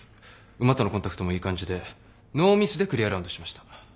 馬とのコンタクトもいい感じでノーミスでクリアラウンドしました。